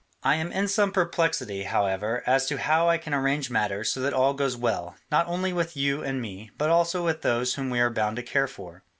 I am in some perplexity, however, as to how I can arrange matters so that all goes well, not only with you and me, but also with those whom we are bound to care for.